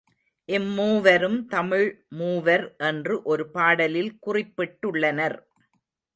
இம் மூவரும் தமிழ் மூவர் என்று ஒரு பாடலில் குறிப்பிடப்பட்டுள்ளனர்.